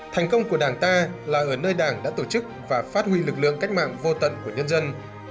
thành công của đảng ta là ở nơi đảng đã tổ chức và phát huy lực lượng cách mạng vô tận của nhân dân